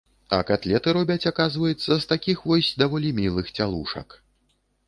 А катлеты робяць, аказваецца, з такіх вось даволі мілых цялушак.